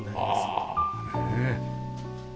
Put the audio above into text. ああねえ。